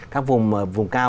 các vùng cao